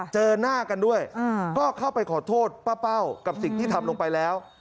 เจอหน้ากันด้วยก็เข้าไปขอโทษป้าเป้ากับสิ่งที่ทำลงไปแล้ว